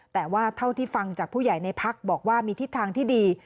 แต่ว่าเท่าที่ฟังจากผู้ใหญ่ในพักบอกว่ามีทิศทางที่ดี